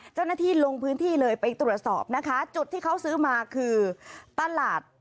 เจ้าหน้าที่ลงพื้นที่เลยไปตรวจสอบนะคะ